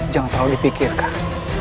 jangan terlalu dipikirkan